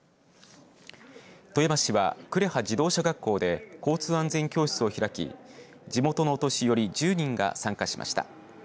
富山市は呉羽自動車学校で交通安全教室を開き地元のお年寄り１０人が参加しました。